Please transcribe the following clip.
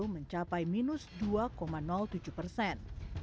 mencapai minus dua tujuh persen